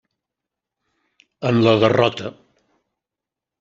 En la derrota: